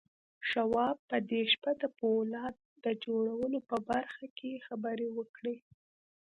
شواب په دې شپه د پولاد جوړولو په برخه کې خبرې وکړې.